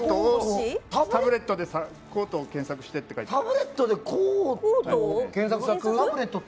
タブレットでコートを検索してと書いてある。